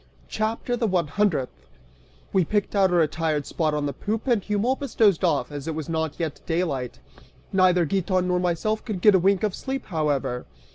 CHAPTER THE ONE HUNDREDTH. (We picked out a retired spot on the poop and Eumolpus dozed off, as it was not yet daylight. Neither Giton nor myself could get a wink of sleep, however.